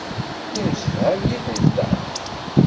Yemsefham yid-nteɣ.